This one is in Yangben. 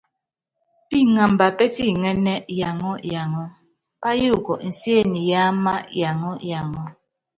Píŋamba pɛ́tiŋɛ́nɛ́ yaŋɔ yaŋɔ, payuukɔ insiene yáámá yaŋɔ yaŋɔ.